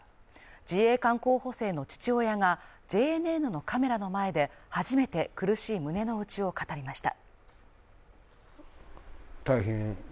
自衛官候補生の父親がＪＮＮのカメラの前で初めて苦しい胸のうちを語りました。